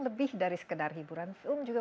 lebih dari sekedar hiburan film juga